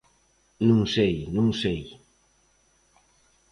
_Non sei, non sei...